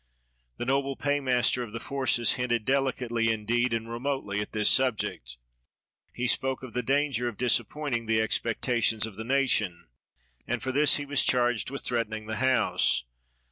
The noble paymaster of the forces hinted, delicately indeed and remotely, at this subject. He spoke of the danger of disappointing the expectations of the nation ; and for this he was charged with threatening the House.